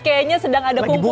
kayaknya sedang ada kumpul